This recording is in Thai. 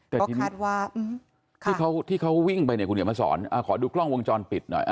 แต่ก็คาดว่าที่เขาวิ่งไปเนี่ยคุณเขียนมาสอนขอดูกล้องวงจรปิดหน่อย